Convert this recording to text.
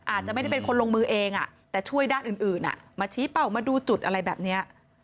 อาจจะไม่ได้เป็นคนลงมือเองแต่ช่วยด้านอื่นมาชี้เป้ามาดูจุดอะไรแบบนี้